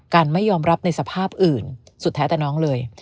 กันไม่ยอมรับในสภาพอื่นสุดแท้แต่น้องเลย